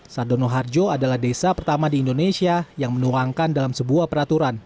sadono harjo adalah desa pertama di indonesia yang menuangkan dalam sebuah peraturan